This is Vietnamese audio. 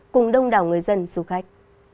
cùng đông đảo người dân du khách